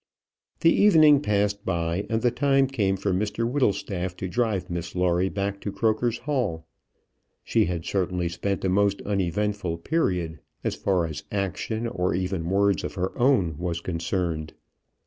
The evening passed by, and the time came for Mr Whittlestaff to drive Miss Lawrie back to Croker's Hall. She had certainly spent a most uneventful period, as far as action or even words of her own was concerned.